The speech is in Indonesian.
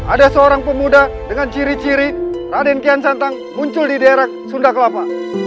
ada seorang pemuda dengan ciri ciri raden kian santang muncul di daerah sunda kelapa